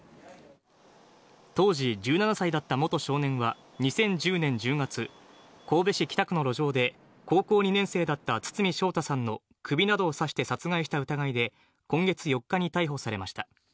当時１７歳だった元少年は２０１０年１０月、神戸市北区の路上で高校２年生だった堤将太さんの首などを刺して殺害した疑いで、今月４日に逮捕されました。